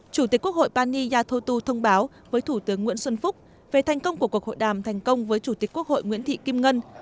chủ tịch quốc hội pani yathotu thông báo với thủ tướng nguyễn xuân phúc về thành công của cuộc hội đàm thành công với chủ tịch quốc hội nguyễn thị kim ngân